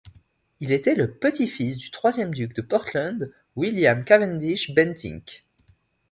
Il était le petit-fils du troisième duc de Portland William Cavendish-Bentinck.